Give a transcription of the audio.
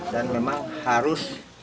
dan memang harus